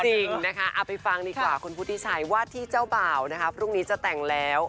จริงนะคะเอาไปฟังดีกว่าคุณพุทธิชัยวาดที่เจ้าบ่าวนะคะพรุ่งนี้จะแต่งแล้ว